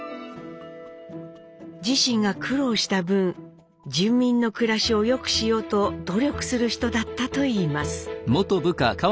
自身が苦労した分住民の暮らしを良くしようと努力する人だったといいます。